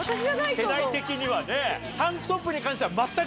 世代的にはね。